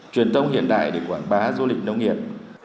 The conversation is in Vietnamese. truyền thông hiện đại để quảng bá du lịch nông nghiệp